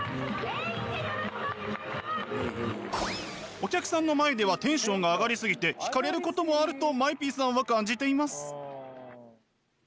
お客さんの前ではテンションが上がり過ぎて引かれることもあるとＭＡＥＰさんは感じてます。